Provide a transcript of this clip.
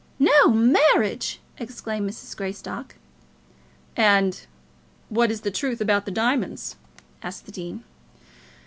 "No marriage!" exclaimed Mrs. Greystock. "And what is the truth about the diamonds?" asked the dean.